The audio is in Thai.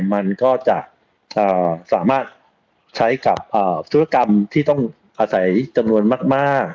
มันก็จะสามารถใช้กับธุรกรรมที่ต้องอาศัยจำนวนมาก